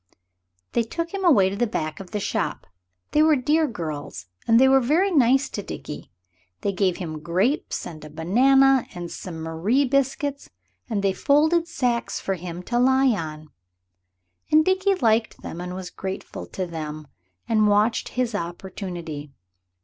They took him away to the back of the shop. They were dear girls, and they were very nice to Dickie. They gave him grapes, and a banana, and some Marie biscuits, and they folded sacks for him to lie on. And Dickie liked them and was grateful to them and watched his opportunity.